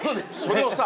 それをさ